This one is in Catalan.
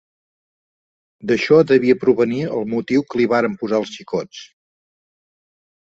D'això devia provenir el motiu que li varen posar els xicots.